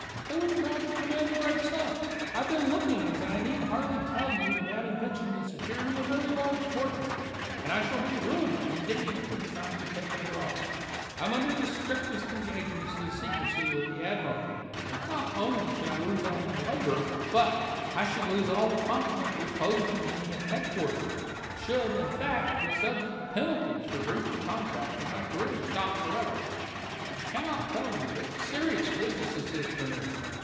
They would probably command a great sum. I have been looking, as I need hardly tell you, to that invention to secure me a very large fortune, and I shall be ruined, indeed, if the design is taken abroad. I am under the strictest engagements to secrecy with the Admiralty, and not only should I lose all my labor, but I should lose all the confidence reposed in me at headquarters; should, in fact, be subject to penalties for breach of contract, and my career stopped forever. I can not tell you what a serious business this is for me.